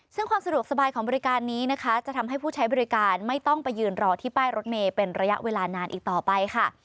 ซึ่งความสะดวกสบายของบริการนี้นะคะจะทำให้ผู้ใช้บริการไม่ต้องไปยืนรอที่ป้ายรถเมย์เป็นระยะเวลานานอีกต่อไปค่ะ